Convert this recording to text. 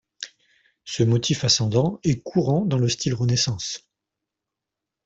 Ce motif ascendant est courant dans le style Renaissance.